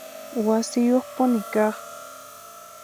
Wasiyuqpuni kaq